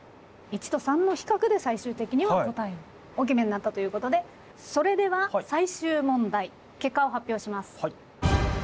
①と③の比較で最終的には答えをお決めになったということでそれでは最終問題結果を発表します。